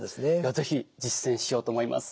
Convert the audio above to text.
是非実践しようと思います。